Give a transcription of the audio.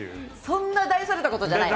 そんな大それたことじゃないです。